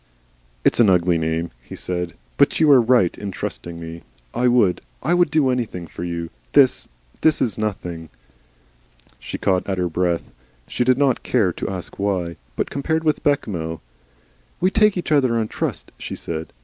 "It's an ugly name," he said. "But you are right in trusting me. I would I would do anything for you.... This is nothing." She caught at her breath. She did not care to ask why. But compared with Bechamel! "We take each other on trust," she said.